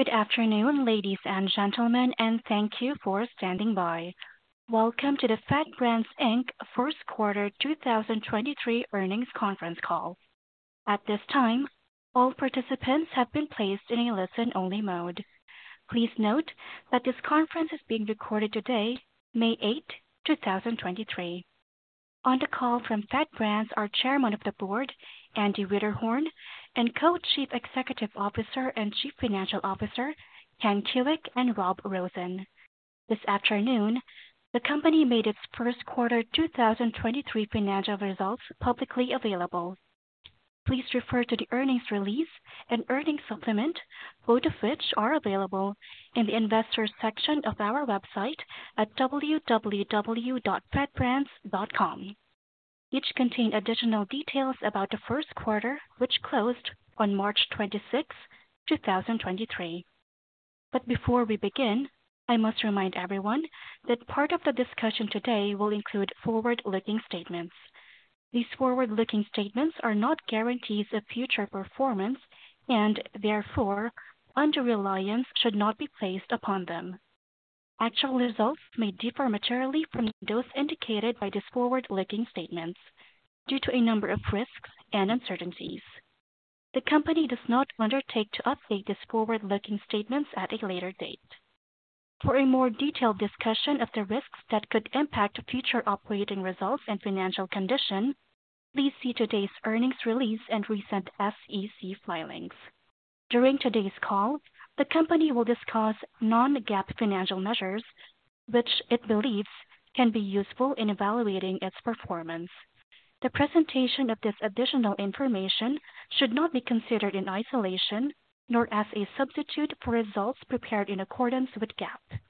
Good afternoon, ladies and gentlemen, and thank you for standing by. Welcome to the FAT Brands Inc first quarter 2023 earnings conference call. At this time, all participants have been placed in a listen-only mode. Please note that this conference is being recorded today, May 8th, 2023. On the call from FAT Brands, our Chairman of the Board, Andy Wiederhorn, and Co-Chief Executive Officer and Chief Financial Officer, Ken Kuick and Rob Rosen. This afternoon, the company made its first quarter 2023 financial results publicly available. Please refer to the earnings release and earnings supplement, both of which are available in the investors section of our website at www.fatbrands.com. Each contain additional details about the first quarter, which closed on March 26th, 2023. Before we begin, I must remind everyone that part of the discussion today will include forward-looking statements. These forward-looking statements are not guarantees of future performance and therefore under reliance should not be placed upon them. Actual results may differ materially from those indicated by these forward-looking statements due to a number of risks and uncertainties. The company does not undertake to update these forward-looking statements at a later date. For a more detailed discussion of the risks that could impact future operating results and financial condition, please see today's earnings release and recent SEC filings. During today's call, the company will discuss non-GAAP financial measures which it believes can be useful in evaluating its performance. The presentation of this additional information should not be considered in isolation, nor as a substitute for results prepared in accordance with GAAP.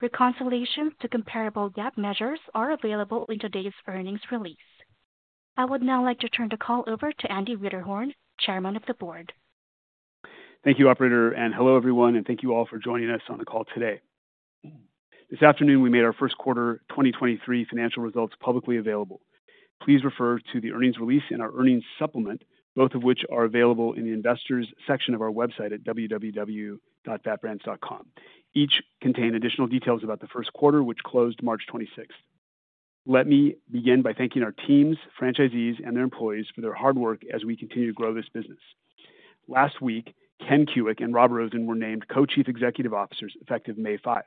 Reconciliation to comparable GAAP measures are available in today's earnings release. I would now like to turn the call over to Andy Wiederhorn, Chairman of the Board. Thank you, operator, hello, everyone, thank you all for joining us on the call today. This afternoon, we made our first quarter 2023 financial results publicly available. Please refer to the earnings release and our earnings supplement, both of which are available in the investors section of our website at www.fatbrands.com. Each contain additional details about the first quarter, which closed March 26th. Let me begin by thanking our teams, franchisees and their employees for their hard work as we continue to grow this business. Last week, Ken Kuick and Rob Rosen were named Co-Chief Executive Officers, effective May 5.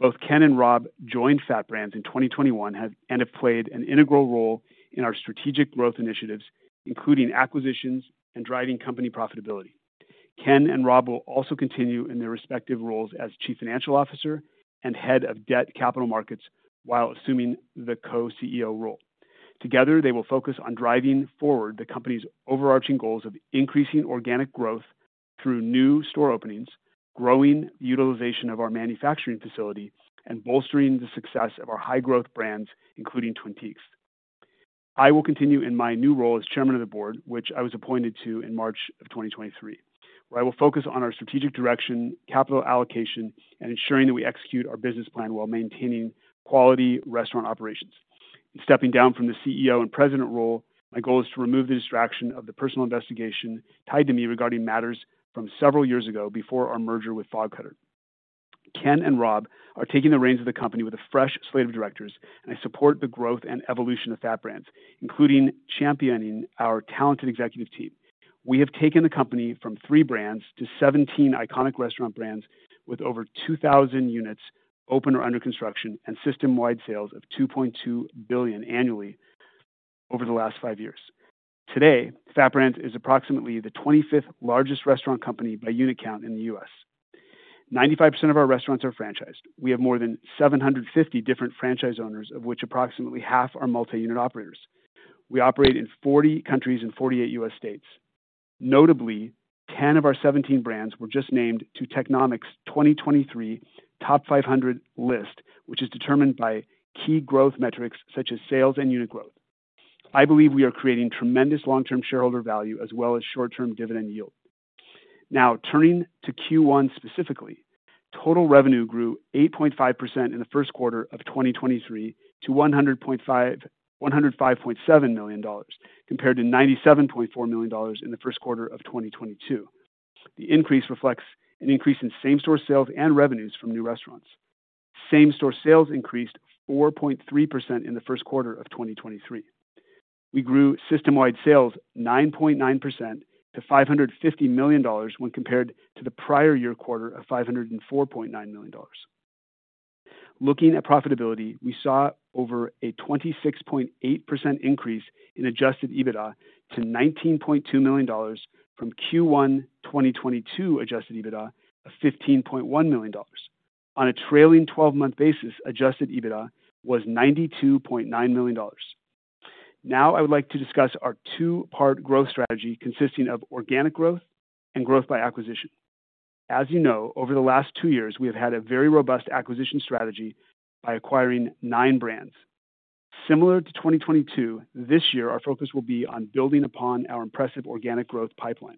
Both Ken and Rob joined FAT Brands in 2021 and have played an integral role in our strategic growth initiatives, including acquisitions and driving company profitability. Ken and Rob will also continue in their respective roles as Chief Financial Officer and Head of Debt Capital Markets while assuming the Co-CEO role. Together, they will focus on driving forward the company's overarching goals of increasing organic growth through new store openings, growing utilization of our manufacturing facility, and bolstering the success of our high-growth brands, including Twin Peaks. I will continue in my new role as Chairman of the Board, which I was appointed to in March of 2023, where I will focus on our strategic direction, capital allocation, and ensuring that we execute our business plan while maintaining quality restaurant operations. Stepping down from the CEO and President role, my goal is to remove the distraction of the personal investigation tied to me regarding matters from several years ago before our merger with Fog Cutter. Ken and Rob are taking the reins of the company with a fresh slate of directors. I support the growth and evolution of FAT Brands, including championing our talented executive team. We have taken the company from three brands to 17 iconic restaurant brands with over 2,000 units open or under construction and system-wide sales of $2.2 billion annually over the last five years. Today, FAT Brands is approximately the 25th largest restaurant company by unit count in the U.S. 95% of our restaurants are franchised. We have more than 750 different franchise owners, of which approximately half are multi-unit operators. We operate in 40 countries and 48 U.S. states. Notably, 10 of our 17 brands were just named to Technomic's 2023 Top 500 list, which is determined by key growth metrics such as sales and unit growth. I believe we are creating tremendous long-term shareholder value as well as short-term dividend yield. Turning to Q1 specifically. Total revenue grew 8.5% in the first quarter of 2023 to $105.7 million, compared to $97.4 million in the first quarter of 2022. The increase reflects an increase in same-store sales and revenues from new restaurants. Same-store sales increased 4.3% in the first quarter of 2023. We grew system-wide sales 9.9% to $550 million when compared to the prior year quarter of $504.9 million. Looking at profitability, we saw over a 26.8% increase in adjusted EBITDA to $19.2 million from Q1 2022 adjusted EBITDA of $15.1 million. On a trailing 12-month basis, adjusted EBITDA was $92.9 million. I would like to discuss our two-part growth strategy consisting of organic growth and growth by acquisition. As you know, over the last two years, we have had a very robust acquisition strategy by acquiring nine brands. Similar to 2022, this year our focus will be on building upon our impressive organic growth pipeline.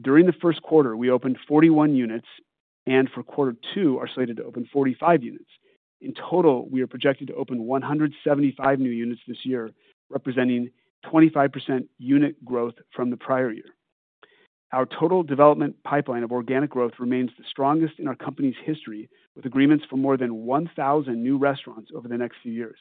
During the first quarter, we opened 41 units and for Q2 are slated to open 45 units. In total, we are projected to open 175 new units this year, representing 25% unit growth from the prior year. Our total development pipeline of organic growth remains the strongest in our company's history, with agreements for more than 1,000 new restaurants over the next few years.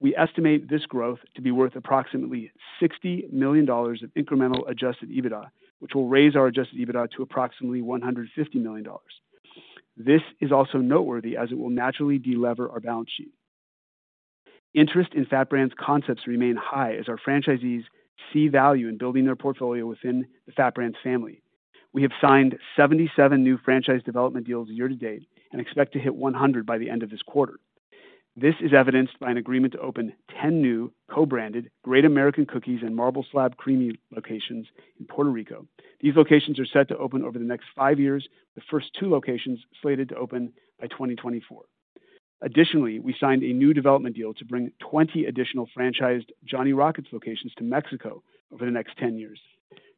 We estimate this growth to be worth approximately $60 million of incremental adjusted EBITDA, which will raise our adjusted EBITDA to approximately $150 million. This is also noteworthy as it will naturally de-lever our balance sheet. Interest in FAT Brands concepts remain high as our franchisees see value in building their portfolio within the FAT Brands family. We have signed 77 new franchise development deals year to date and expect to hit 100 by the end of this quarter. This is evidenced by an agreement to open 10 new co-branded Great American Cookies and Marble Slab Creamery locations in Puerto Rico. These locations are set to open over the next five years, the first two locations slated to open by 2024. Additionally, we signed a new development deal to bring 20 additional franchised Johnny Rockets locations to Mexico over the next 10 years.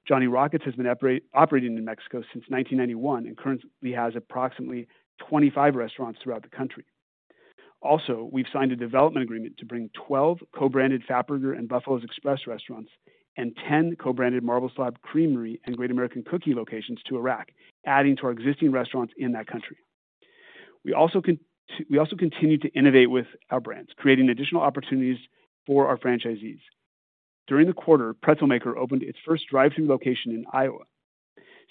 Johnny Rockets has been operating in Mexico since 1991 and currently has approximately 25 restaurants throughout the country. Also, we've signed a development agreement to bring 12 co-branded Fatburger and Buffalo's Express restaurants and 10 co-branded Marble Slab Creamery and Great American Cookies locations to Iraq, adding to our existing restaurants in that country. We also continue to innovate with our brands, creating additional opportunities for our franchisees. During the quarter, Pretzelmaker opened its first drive-thru location in Iowa.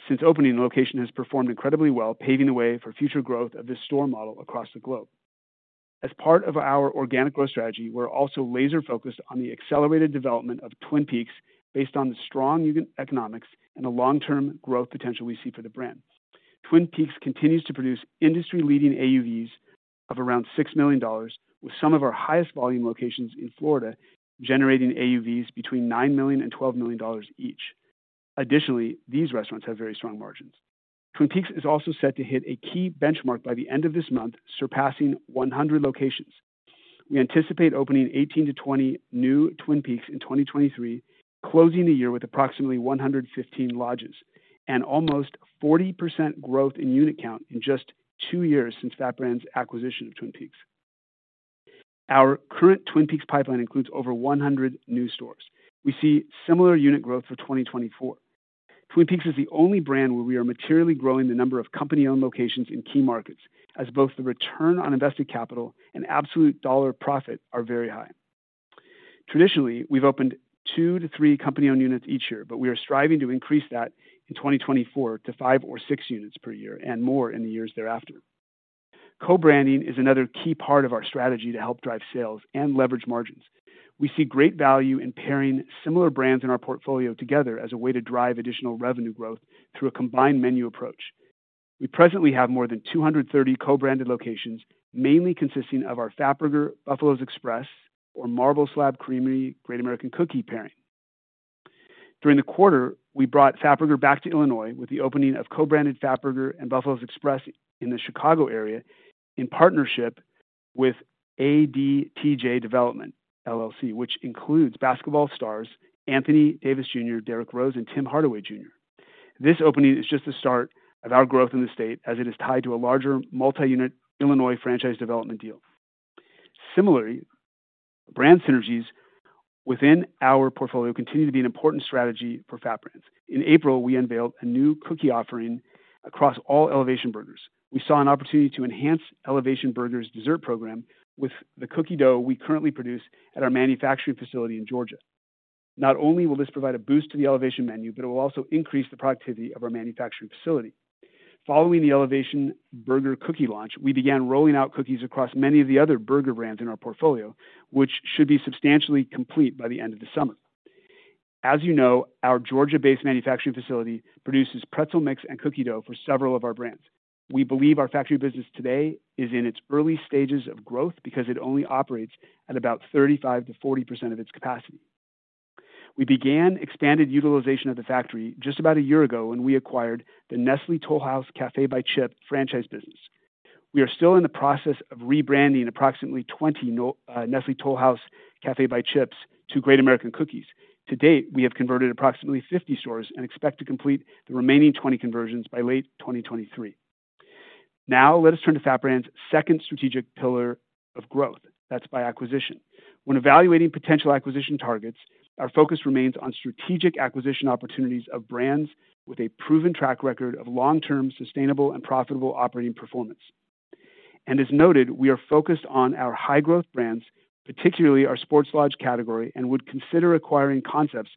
Since opening, the location has performed incredibly well, paving the way for future growth of this store model across the globe. As part of our organic growth strategy, we're also laser-focused on the accelerated development of Twin Peaks based on the strong unit economics and the long-term growth potential we see for the brand. Twin Peaks continues to produce industry-leading AUVs of around $6 million, with some of our highest volume locations in Florida generating AUVs between $9 million and $12 million each. These restaurants have very strong margins. Twin Peaks is also set to hit a key benchmark by the end of this month, surpassing 100 locations. We anticipate opening 18 to 20 new Twin Peaks in 2023, closing the year with approximately 115 lodges and almost 40% growth in unit count in just two years since FAT Brands acquisition of Twin Peaks. Our current Twin Peaks pipeline includes over 100 new stores. We see similar unit growth for 2024. Twin Peaks is the only brand where we are materially growing the number of company-owned locations in key markets as both the return on invested capital and absolute dollar profit are very high. Traditionally, we've opened two to three company-owned units each year, but we are striving to increase that in 2024 to five or six units per year and more in the years thereafter. Co-branding is another key part of our strategy to help drive sales and leverage margins. We see great value in pairing similar brands in our portfolio together as a way to drive additional revenue growth through a combined menu approach. We presently have more than 230 co-branded locations, mainly consisting of our Fatburger, Buffalo's Express or Marble Slab Creamery, Great American Cookies pairing. During the quarter, we brought Fatburger back to Illinois with the opening of co-branded Fatburger and Buffalo's Express in the Chicago area in partnership with A.D.T.J. Development LLC, which includes basketball stars Anthony Davis Jr., Derrick Rose, and Tim Hardaway Jr. This opening is just the start of our growth in the state as it is tied to a larger multi-unit Illinois franchise development deal. Similarly, brand synergies within our portfolio continue to be an important strategy for FAT Brands. In April, we unveiled a new cookie offering across all Elevation Burgers. We saw an opportunity to enhance Elevation Burger's dessert program with the cookie dough we currently produce at our manufacturing facility in Georgia. Not only will this provide a boost to the Elevation menu, but it will also increase the productivity of our manufacturing facility. Following the Elevation Burger cookie launch, we began rolling out cookies across many of the other burger brands in our portfolio, which should be substantially complete by the end of the summer. As you know, our Georgia-based manufacturing facility produces pretzel mix and cookie dough for several of our brands. We believe our factory business today is in its early stages of growth because it only operates at about 35%-40% of its capacity. We began expanded utilization of the factory just about a year ago when we acquired the Nestlé Toll House Café by Chip franchise business. We are still in the process of rebranding approximately 20 Nestlé Toll House Café by Chips to Great American Cookies. To date, we have converted approximately 50 stores and expect to complete the remaining 20 conversions by late 2023. Let us turn to FAT Brands second strategic pillar of growth, that's by acquisition. When evaluating potential acquisition targets, our focus remains on strategic acquisition opportunities of brands with a proven track record of long-term, sustainable and profitable operating performance. As noted, we are focused on our high-growth brands, particularly our sports lodge category, and would consider acquiring concepts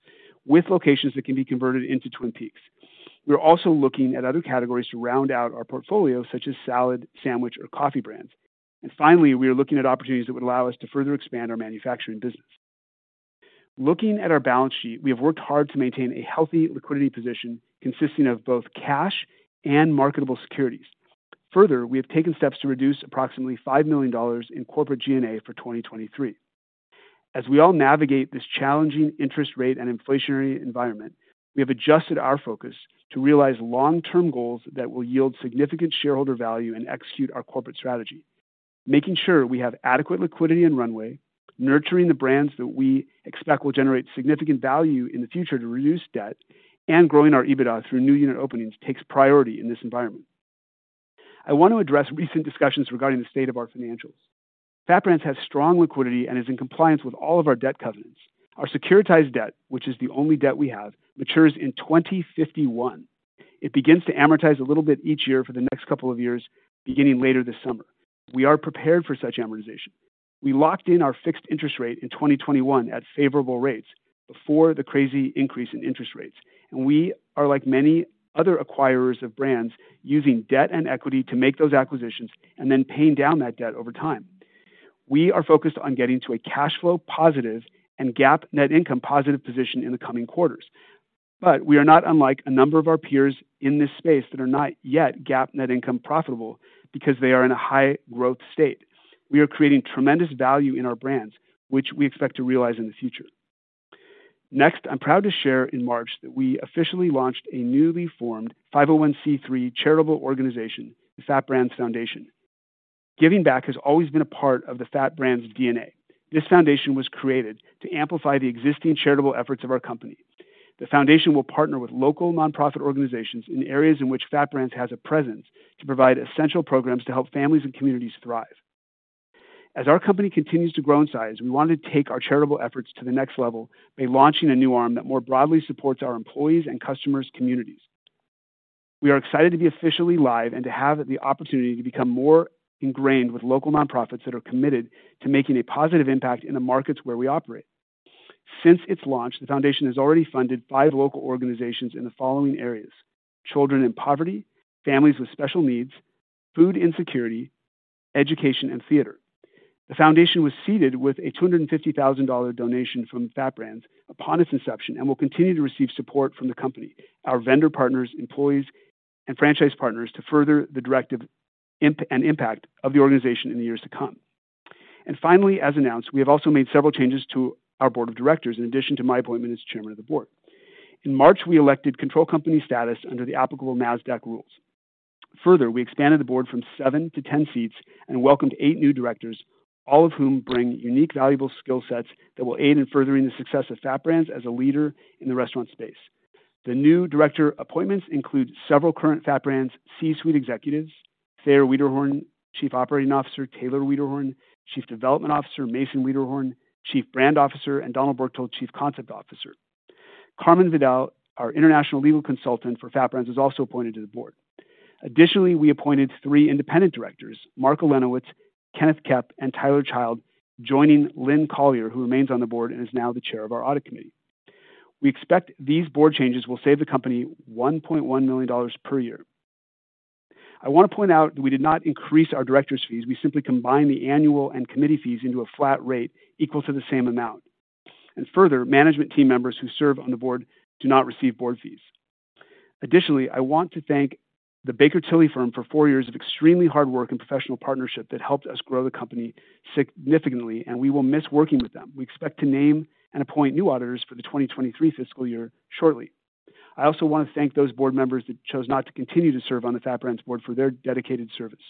with locations that can be converted into Twin Peaks. We're also looking at other categories to round out our portfolio, such as salad, sandwich or coffee brands. Finally, we are looking at opportunities that would allow us to further expand our manufacturing business. Looking at our balance sheet, we have worked hard to maintain a healthy liquidity position consisting of both cash and marketable securities. Further, we have taken steps to reduce approximately $5 million in corporate G&A for 2023. As we all navigate this challenging interest rate and inflationary environment, we have adjusted our focus to realize long-term goals that will yield significant shareholder value and execute our corporate strategy. Making sure we have adequate liquidity and runway. Nurturing the brands that we expect will generate significant value in the future to reduce debt and growing our EBITDA through new unit openings takes priority in this environment. I want to address recent discussions regarding the state of our financials. FAT Brands has strong liquidity and is in compliance with all of our debt covenants. Our securitized debt, which is the only debt we have, matures in 2051. It begins to amortize a little bit each year for the next couple of years, beginning later this summer. We are prepared for such amortization. We locked in our fixed interest rate in 2021 at favorable rates before the crazy increase in interest rates. We are, like many other acquirers of brands, using debt and equity to make those acquisitions and then paying down that debt over time. We are focused on getting to a cash flow positive and GAAP net income positive position in the coming quarters. We are not unlike a number of our peers in this space that are not yet GAAP net income profitable because they are in a high growth state. We are creating tremendous value in our brands, which we expect to realize in the future. I'm proud to share in March that we officially launched a newly formed 501(c)(3) charitable organization, the FAT Brands Foundation. Giving back has always been a part of the FAT Brands DNA. This foundation was created to amplify the existing charitable efforts of our company. The foundation will partner with local nonprofit organizations in areas in which FAT Brands has a presence to provide essential programs to help families and communities thrive. As our company continues to grow in size, we want to take our charitable efforts to the next level by launching a new arm that more broadly supports our employees' and customers' communities. We are excited to be officially live and to have the opportunity to become more ingrained with local nonprofits that are committed to making a positive impact in the markets where we operate. Since its launch, the foundation has already funded five local organizations in the following areas: children in poverty, families with special needs, food insecurity, education, and theater. The foundation was seeded with a $250,000 donation from FAT Brands upon its inception and will continue to receive support from the company, our vendor partners, employees, and franchise partners to further the directive and impact of the organization in the years to come. Finally, as announced, we have also made several changes to our Board of Directors in addition to my appointment as Chairman of the Board. In March, we elected control company status under the applicable NASDAQ rules. Further, we expanded the board from seven to 10 seats and welcomed eight new directors, all of whom bring unique, valuable skill sets that will aid in furthering the success of FAT Brands as a leader in the restaurant space. The new director appointments include several current FAT Brands C-suite executives, Thayer Wiederhorn, Chief Operating Officer, Taylor Wiederhorn, Chief Development Officer, Mason Wiederhorn, Chief Brand Officer, and Donald Berchtold, Chief Concept Officer. Carmen Vidal, our International Legal Consultant for FAT Brands, was also appointed to the board. We appointed three independent directors, Mark Elenowitz, Kenneth Kepp, and Tyler Child joining Lynne Collier, who remains on the board and is now the Chair of our Audit Committee. We expect these board changes will save the company $1.1 million per year. I want to point out that we did not increase our directors' fees. We simply combined the annual and committee fees into a flat rate equal to the same amount. Further, management team members who serve on the board do not receive board fees. Additionally, I want to thank the Baker Tilly for four years of extremely hard work and professional partnership that helped us grow the company significantly. We will miss working with them. We expect to name and appoint new auditors for the 2023 fiscal year shortly. I also want to thank those board members that chose not to continue to serve on the FAT Brands board for their dedicated service.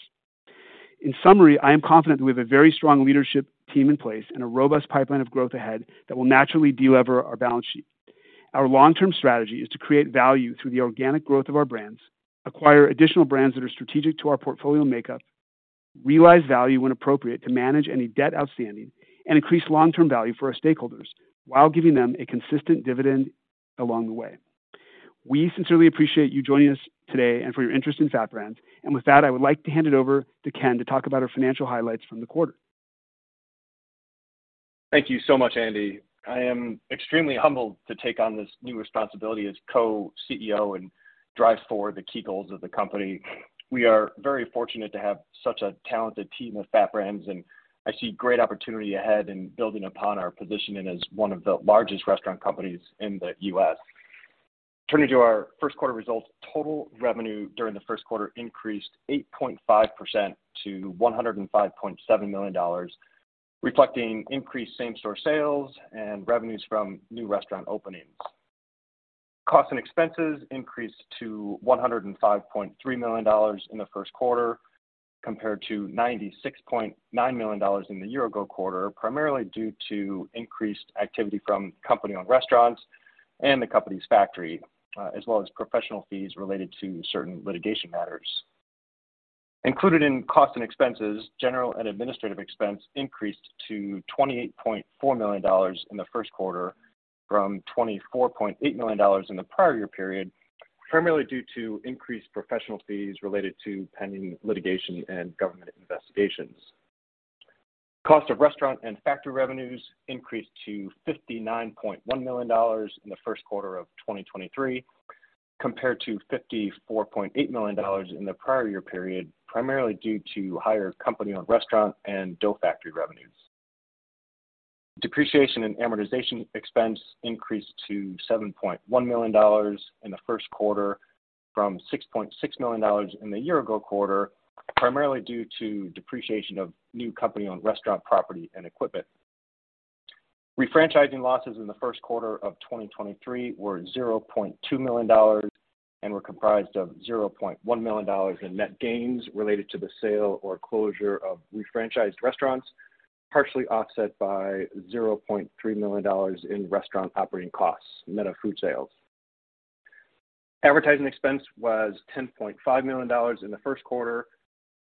In summary, I am confident that we have a very strong leadership team in place and a robust pipeline of growth ahead that will naturally de-lever our balance sheet. Our long-term strategy is to create value through the organic growth of our brands, acquire additional brands that are strategic to our portfolio makeup, realize value when appropriate to manage any debt outstanding, and increase long-term value for our stakeholders while giving them a consistent dividend along the way. We sincerely appreciate you joining us today and for your interest in FAT Brands. With that, I would like to hand it over to Ken to talk about our financial highlights from the quarter. Thank you so much, Andy. I am extremely humbled to take on this new responsibility as co-CEO and drive forward the key goals of the company. We are very fortunate to have such a talented team of FAT Brands, and I see great opportunity ahead in building upon our positioning as one of the largest restaurant companies in the U.S. Turning to our first quarter results, total revenue during the first quarter increased 8.5% to $105.7 million, reflecting increased same-store sales and revenues from new restaurant openings. Costs and expenses increased to $105.3 million in the first quarter compared to $96.9 million in the year-ago quarter, primarily due to increased activity from company-owned restaurants and the company's the factory, as well as professional fees related to certain litigation matters. Included in costs and expenses, general and administrative expense increased to $28.4 million in the first quarter from $24.8 million in the prior year period, primarily due to increased professional fees related to pending litigation and government investigations. Cost of restaurant and factory revenues increased to $59.1 million in the first quarter of 2023 compared to $54.8 million in the prior year period, primarily due to higher company-owned restaurant and dough factory revenues. Depreciation and amortization expense increased to $7.1 million in the first quarter from $6.6 million in the year-ago quarter, primarily due to depreciation of new company-owned restaurant property and equipment. Refranchising losses in the first quarter of 2023 were $0.2 million and were comprised of $0.1 million in net gains related to the sale or closure of refranchised restaurants, partially offset by $0.3 million in restaurant operating costs net of food sales. Advertising expense was $10.5 million in the first quarter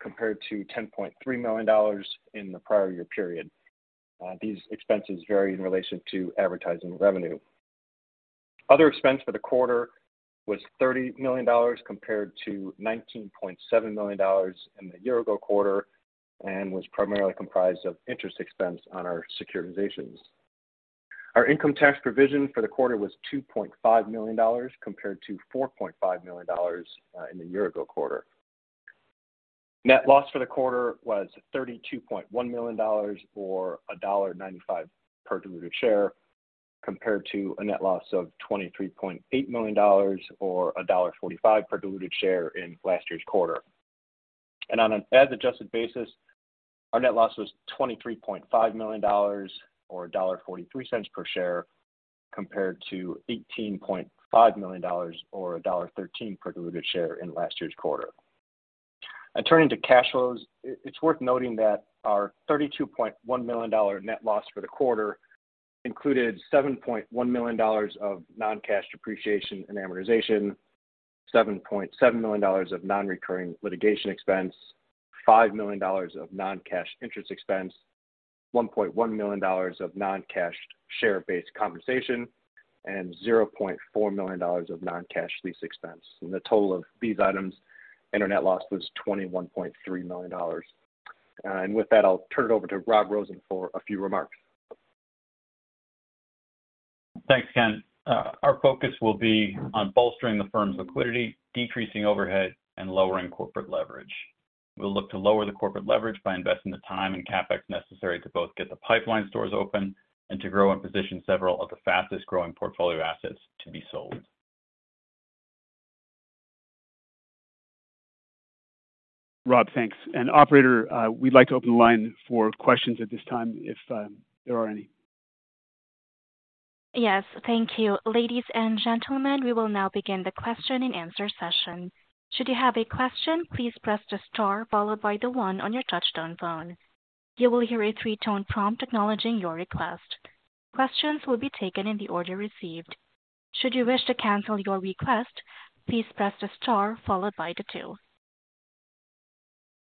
compared to $10.3 million in the prior year period. These expenses vary in relation to advertising revenue. Other expense for the quarter was $30 million compared to $19.7 million in the year ago quarter, and was primarily comprised of interest expense on our securitizations. Our income tax provision for the quarter was $2.5 million compared to $4.5 million in the year ago quarter. Net loss for the quarter was $32.1 million or $1.95 per diluted share, compared to a net loss of $23.8 million or $1.45 per diluted share in last year's quarter. On an FAD-adjusted basis, our net loss was $23.5 million or $1.43 per share, compared to $18.5 million or $1.13 per diluted share in last year's quarter. Turning to cash flows, it's worth noting that our $32.1 million net loss for the quarter included $7.1 million of non-cash depreciation and amortization, $7.7 million of non-recurring litigation expense, $5 million of non-cash interest expense, $1.1 million of non-cash share-based compensation, and $0.4 million of non-cash lease expense. The total of these items and our net loss was $21.3 million. With that, I'll turn it over to Rob Rosen for a few remarks. Thanks, Ken. Our focus will be on bolstering the firm's liquidity, decreasing overhead, and lowering corporate leverage. We'll look to lower the corporate leverage by investing the time and CapEx necessary to both get the pipeline stores open and to grow and position several of the fastest-growing portfolio assets to be sold. Rob, thanks. Operator, we'd like to open the line for questions at this time if there are any. Yes. Thank you. Ladies and gentlemen, we will now begin the question-and-answer session. Should you have a question, please press the star followed by the one on your touchtone phone. You will hear a three-tone prompt acknowledging your request. Questions will be taken in the order received. Should you wish to cancel your request, please press the star followed by the two.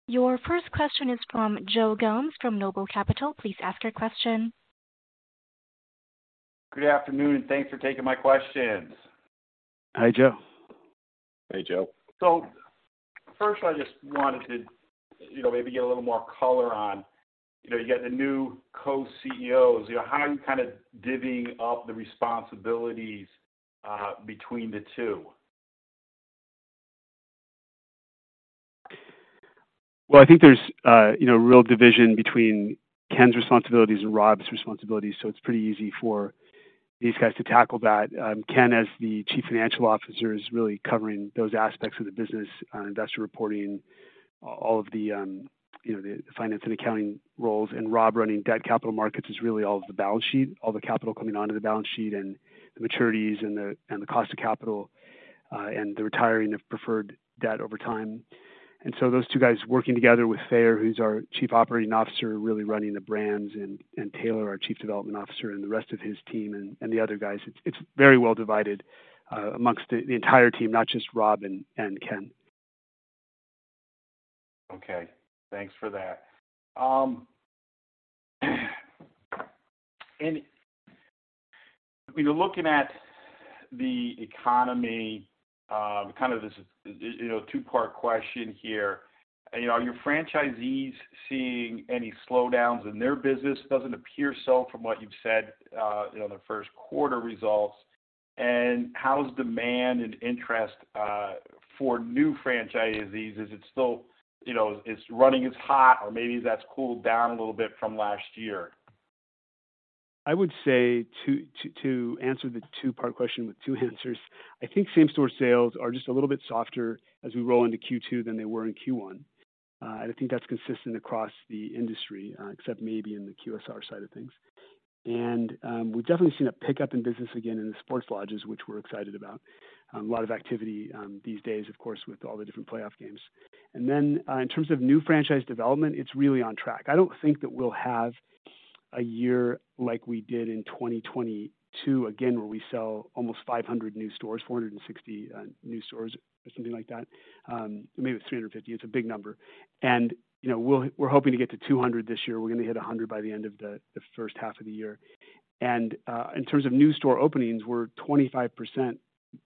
Your first question is from Joe Gomes from NOBLE Capital. Please ask your question. Good afternoon, thanks for taking my questions. Hi, Joe. Hey, Joe. First I just wanted to, you know, maybe get a little more color on, you know, you got the new co-CEOs. You know, how are you kind of divvying up the responsibilities between the two? I think there's, you know, real division between Ken's responsibilities and Rob's responsibilities, so it's pretty easy for these guys to tackle that. Ken, as the Chief Financial Officer, is really covering those aspects of the business, investor reporting, all of the, you know, the finance and accounting roles. Rob running debt capital markets is really all of the balance sheet, all the capital coming onto the balance sheet and the maturities and the cost of capital, and the retiring of preferred debt over time. Those two guys working together with Thayer, who's our Chief Operating Officer, really running the brands, and Taylor, our Chief Development Officer, and the rest of his team and the other guys. It's very well divided amongst the entire team, not just Rob and Ken. Okay. Thanks for that. You know, looking at the economy, kind of this, you know, two-part question here. You know, are your franchisees seeing any slowdowns in their business? Doesn't appear so from what you've said, you know, in the first quarter results. How's demand and interest, for new franchisees? Is it still, you know, it's running as hot or maybe that's cooled down a little bit from last year? I would say to answer the two-part question with two answers. I think same-store sales are just a little bit softer as we roll into Q2 than they were in Q1. I think that's consistent across the industry, except maybe in the QSR side of things. We've definitely seen a pickup in business again in the sports lodges, which we're excited about. A lot of activity these days, of course, with all the different playoff games. In terms of new franchise development, it's really on track. I don't think that we'll have a year like we did in 2022 again, where we sell almost 500 new stores, 460 new stores or something like that. Maybe it's 350. It's a big number. You know, we're hoping to get to 200 this year. We're gonna hit 100 by the end of the first half of the year. In terms of new store openings, we're 25%,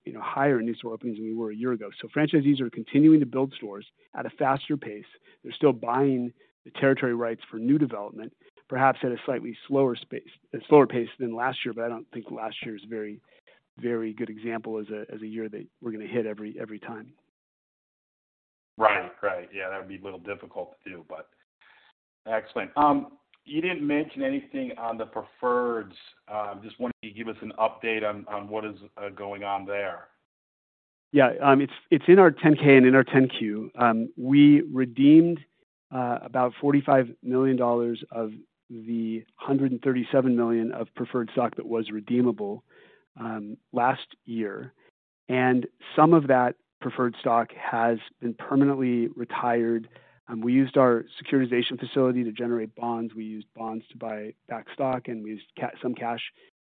you know, higher in new store openings than we were a year ago. Franchisees are continuing to build stores at a faster pace. They're still buying the territory rights for new development, perhaps at a slightly slower pace than last year, but I don't think last year's a very, very good example as a year that we're gonna hit every time. Right. Right. Yeah, that'd be a little difficult to do, but excellent. You didn't mention anything on the preferreds. Just wondering if you could give us an update on what is going on there. Yeah. It's in our 10-K and in our 10-Q. We redeemed about $45 million of the $137 million of preferred stock that was redeemable last year. Some of that preferred stock has been permanently retired. We used our securitization facility to generate bonds. We used bonds to buy back stock, and we used some cash.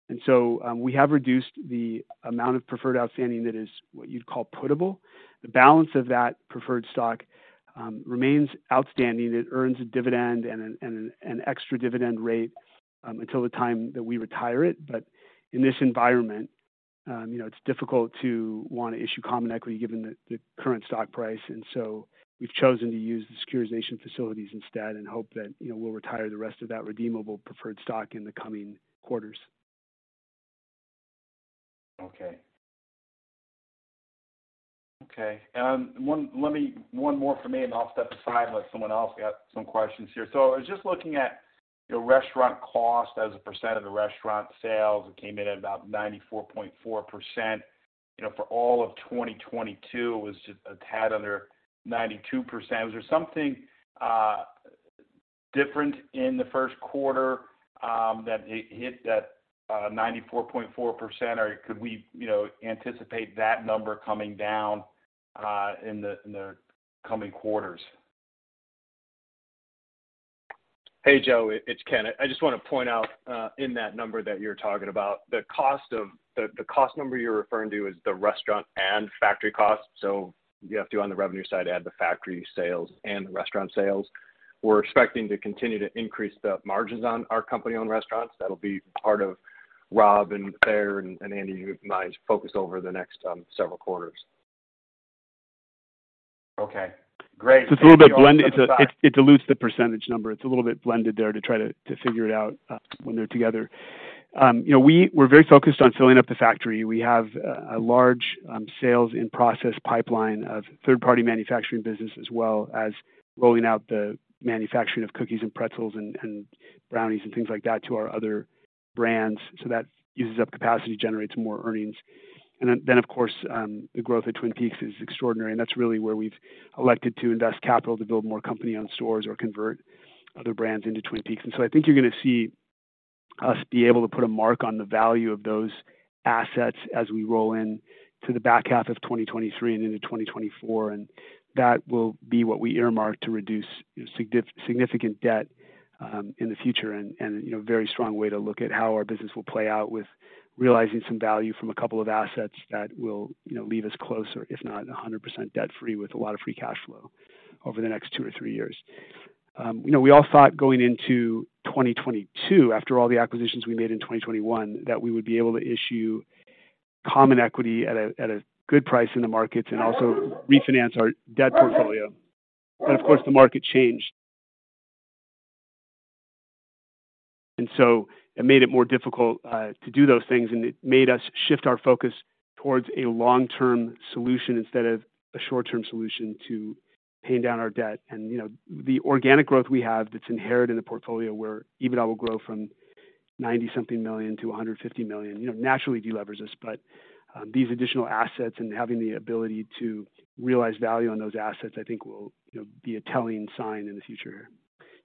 We have reduced the amount of preferred outstanding that is what you'd call putable. The balance of that preferred stock remains outstanding. It earns a dividend and an extra dividend rate until the time that we retire it. In this environment, you know, it's difficult to wanna issue common equity given the current stock price. We've chosen to use the securitization facilities instead and hope that, you know, we'll retire the rest of that redeemable preferred stock in the coming quarters. Okay. Okay. One more from me, and I'll step aside and let someone else got some questions here. I was just looking at your restaurant cost as a percent of the restaurant sales. It came in at about 94.4%. You know, for all of 2022, it was just a TAD under 92%. Was there something different in the first quarter that it hit that 94.4%, or could we, you know, anticipate that number coming down in the coming quarters? Hey, Joe, it's Ken. I just wanna point out, in that number that you're talking about, the cost number you're referring to is the restaurant and factory cost. You have to, on the revenue side, add the factory sales and the restaurant sales. We're expecting to continue to increase the margins on our company-owned restaurants. That'll be part of Rob and Thayer and Andy and my focus over the next several quarters. Okay, great. It's a little bit blended. It dilutes the percentage number. It's a little bit blended there to try to figure it out when they're together. you know, we're very focused on filling up the factory. We have a large sales in process pipeline of third-party manufacturing business, as well as rolling out the manufacturing of cookies and pretzels and brownies and things like that to our other brands. That uses up capacity to generate some more earnings. Then, of course, the growth at Twin Peaks is extraordinary, and that's really where we've elected to invest capital to build more company-owned stores or convert other brands into Twin Peaks. I think you're gonna see us be able to put a mark on the value of those assets as we roll in to the back half of 2023 and into 2024, and that will be what we earmark to reduce, you know, significant debt in the future and, you know, a very strong way to look at how our business will play out with realizing some value from a couple of assets that will, you know, leave us closer, if not 100% debt free with a lot of free cash flow over the next two or three years. You know, we all thought going into 2022, after all the acquisitions we made in 2021, that we would be able to issue common equity at a good price in the markets and also refinance our debt portfolio. Of course, the market changed. It made it more difficult to do those things, and it made us shift our focus towards a long-term solution instead of a short-term solution to paying down our debt. You know, the organic growth we have that's inherent in the portfolio where EBITDA will grow from $90 million to $150 million, you know, naturally de-levers us. These additional assets and having the ability to realize value on those assets, I think, will, you know, be a telling sign in the future.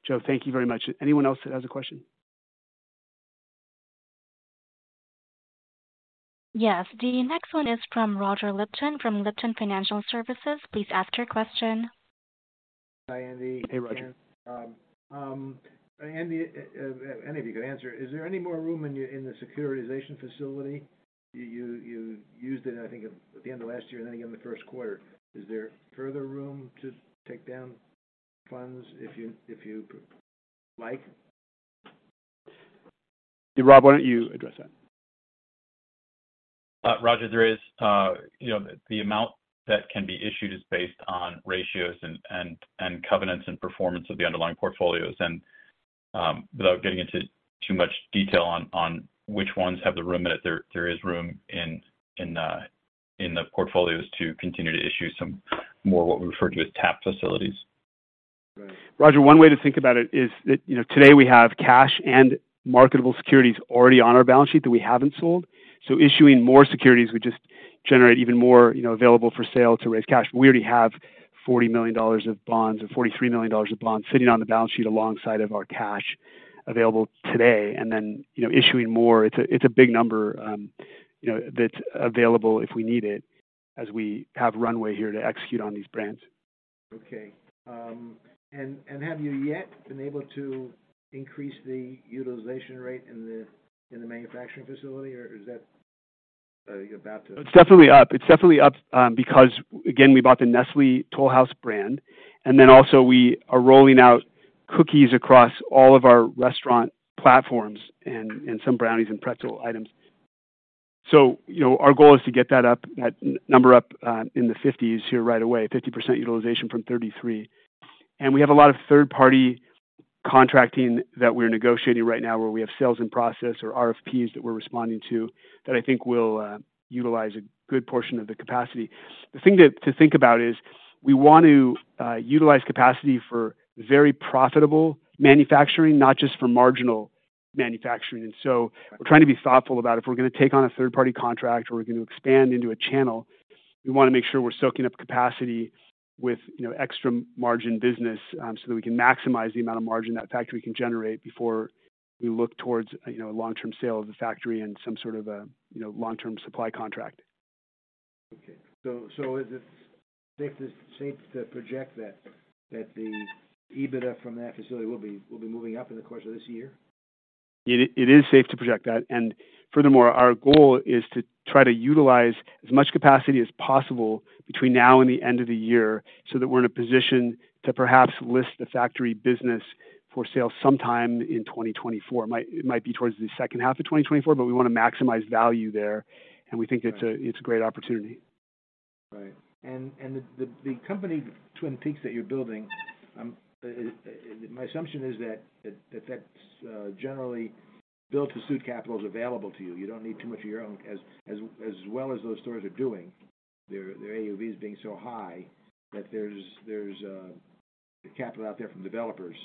Joe, thank you very much. Anyone else that has a question? Yes. The next one is from Roger Lipton from Lipton Financial Services. Please ask your question. Hi, Andy. Hey, Roger. Andy, any of you could answer. Is there any more room in the securitization facility? You used it, I think at the end of last year and again in the first quarter. Is there further room to take down funds if you like? Rob, why don't you address that? Roger, there is... you know, the amount that can be issued is based on ratios and covenants and performance of the underlying portfolios. Without getting into too much detail on which ones have the room, there is room in the portfolios to continue to issue some more what we refer to as TAP facilities. Right. Roger, one way to think about it is that, you know, today we have cash and marketable securities already on our balance sheet that we haven't sold. Issuing more securities would just generate even more, you know, available for sale to raise cash. We already have $40 million of bonds or $43 million of bonds sitting on the balance sheet alongside of our cash available today. Then, you know, issuing more, it's a big number, you know, that's available if we need it as we have runway here to execute on these brands. Okay. Have you yet been able to increase the utilization rate in the manufacturing facility, or are you about to? It's definitely up. It's definitely up, because again, we bought the Nestlé Toll House brand, and then also we are rolling out cookies across all of our restaurant platforms and some brownies and pretzel items. You know, our goal is to get that number up in the 50s here right away, 50% utilization from 33%. We have a lot of third-party contracting that we're negotiating right now, where we have sales in process or RFPs that we're responding to that I think will utilize a good portion of the capacity. The thing to think about is we want to utilize capacity for very profitable manufacturing, not just for marginal manufacturing. We're trying to be thoughtful about if we're gonna take on a third party contract or we're gonna expand into a channel, we wanna make sure we're soaking up capacity with, you know, extra margin business, so that we can maximize the amount of margin that factory can generate before we look towards, you know, a long-term sale of the factory and some sort of a, you know, long-term supply contract. Okay. Is it safe to project that the EBITDA from that facility will be moving up in the course of this year? It is safe to project that. Furthermore, our goal is to try to utilize as much capacity as possible between now and the end of the year so that we're in a position to perhaps list the factory business for sale sometime in 2024. It might be towards the second half of 2024, but we want to maximize value there, and we think it's a great opportunity. Right. The company Twin Peaks that you're building, my assumption is that's generally built to suit capital available to you. You don't need too much of your own. As well as those stores are doing, their AUVs being so high that there's capital out there from developers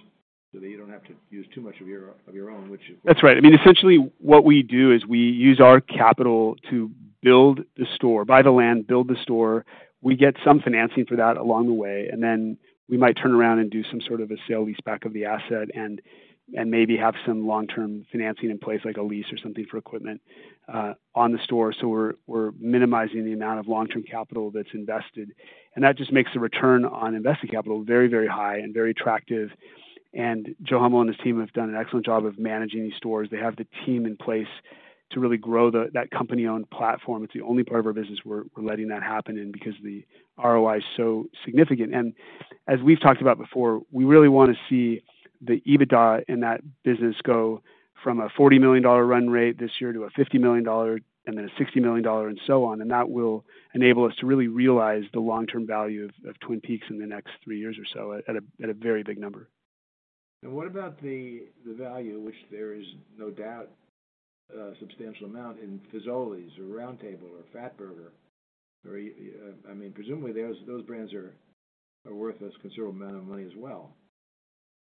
so that you don't have to use too much of your own. That's right. I mean, essentially what we do is we use our capital to build the store, buy the land, build the store. We get some financing for that along the way, and then we might turn around and do some sort of a sale-leaseback of the asset and maybe have some long-term financing in place, like a lease or something for equipment, on the store. So we're minimizing the amount of long-term capital that's invested, and that just makes the return on invested capital very, very high and very attractive. Joe Hummel and his team have done an excellent job of managing these stores. They have the team in place to really grow that company-owned platform. It's the only part of our business we're letting that happen in because the ROI is so significant. As we've talked about before, we really wanna see the EBITDA in that business go from a $40 million run rate this year to a $50 million and then a $60 million and so on. That will enable us to really realize the long-term value of Twin Peaks in the next three years or so at a very big number. What about the value which there is no doubt a substantial amount in Fazoli's or Round Table or Fatburger or... I mean, presumably those brands are worth a considerable amount of money as well.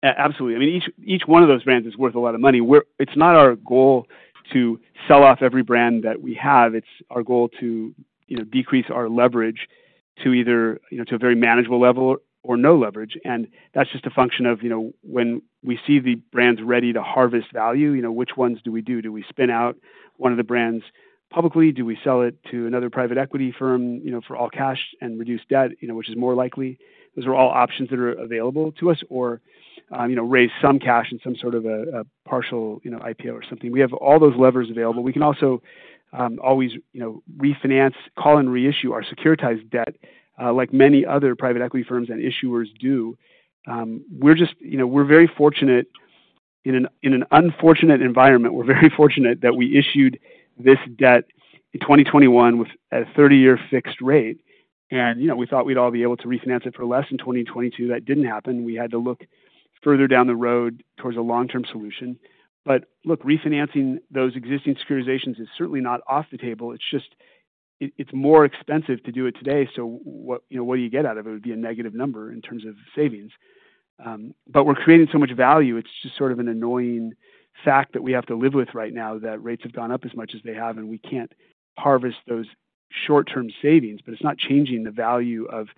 Yeah, absolutely. I mean, each one of those brands is worth a lot of money. It's not our goal to sell off every brand that we have. It's our goal to, you know, decrease our leverage to either, you know, to a very manageable level or no leverage. That's just a function of, you know, when we see the brands ready to harvest value, you know, which ones do we do? Do we spin out one of the brands publicly? Do we sell it to another private equity firm, you know, for all cash and reduce debt, you know, which is more likely? Those are all options that are available to us. Or, you know, raise some cash in some sort of a partial, you know, IPO or something. We have all those levers available. We can also, always, you know, refinance, call and reissue our securitized debt, like many other private equity firms and issuers do. We're just, you know, we're very fortunate in an unfortunate environment, we're very fortunate that we issued this debt in 2021 with a 30-year fixed rate. You know, we thought we'd all be able to refinance it for less in 2022. That didn't happen. We had to look further down the road towards a long-term solution. Look, refinancing those existing securitizations is certainly not off the table. It's just, it's more expensive to do it today. What, you know, what do you get out of it would be a negative number in terms of savings. We're creating so much value. It's just sort of an annoying fact that we have to live with right now, that rates have gone up as much as they have, and we can't harvest those short-term savings. It's not changing the value of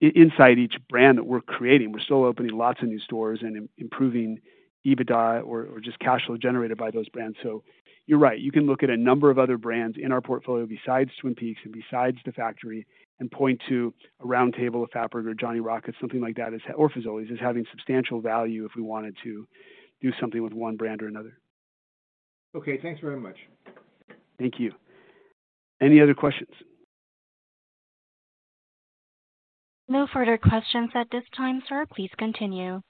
inside each brand that we're creating. We're still opening lots of new stores and improving EBITDA or just cash flow generated by those brands. You're right. You can look at a number of other brands in our portfolio besides Twin Peaks and besides the factory, and point to a Round Table, a Fatburger, Johnny Rockets, something like that, or Fazoli's, as having substantial value if we wanted to do something with one brand or another. Okay, thanks very much. Thank you. Any other questions? No further questions at this time, sir. Please continue.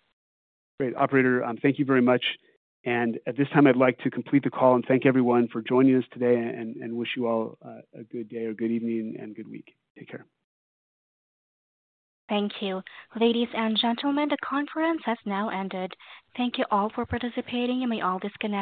Great. Operator, thank you very much. At this time I'd like to complete the call and thank everyone for joining us today and wish you all a good day or good evening and good week. Take care. Thank you. Ladies and gentlemen, the conference has now ended. Thank you all for participating, and may all disconnect.